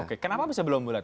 oke kenapa bisa belum bulan